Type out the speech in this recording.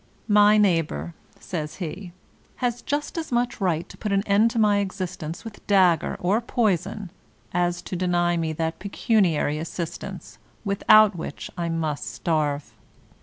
"My neighbor," says he, "has just as much right to put an end to my existence with dagger or poison as to deny me that pecuniary assistance without which I must starve."